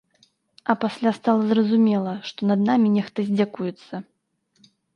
А пасля стала зразумела, што над намі нехта здзекуецца.